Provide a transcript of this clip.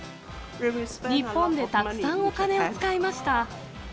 日本でたくさんお金を使いました。